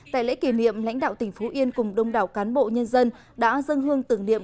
tại lễ kỷ niệm lãnh đạo tỉnh phú yên cùng đông đảo cán bộ nhân dân đã dâng hương tưởng niệm